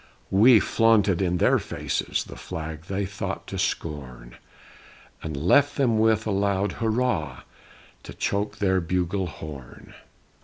We flaunted in their faces The flag they thought to scorn, And left them with a loud "Hurrah!" To choke their bugle horn!